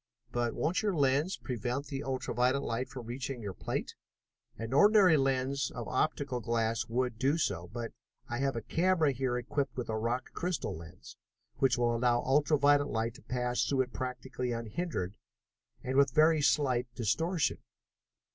"But won't your lens prevent the ultra violet light from reaching your plate?" "An ordinary lens made of optical glass would do so, but I have a camera here equipped with a rock crystal lens, which will allow ultra violet light to pass through it practically unhindered, and with very slight distortion.